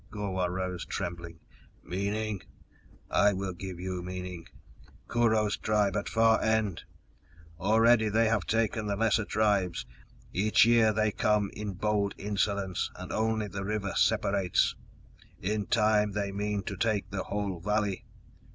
Gor wah rose, trembling. "Meaning? I will give you meaning. Kurho's tribe at Far End! Already they have taken the lesser tribes. Each year they come in bold insolence, and only the river separates; in time they mean to take the whole valley.